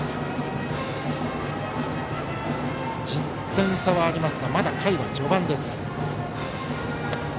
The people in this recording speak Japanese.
１０点差はありますがまだ回は序盤です。